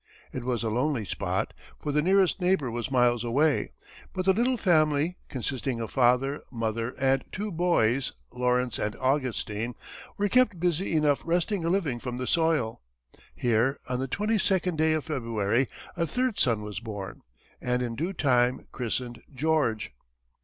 It was a lonely spot, for the nearest neighbor was miles away, but the little family, consisting of father, mother, and two boys, Lawrence and Augustine, were kept busy enough wresting a living from the soil. Here, on the twenty second day of February, a third son was born, and in due time christened George.